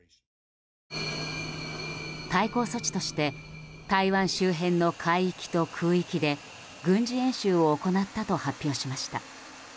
対抗措置として台湾周辺の海域と空域で軍事演習を行ったと発表しました。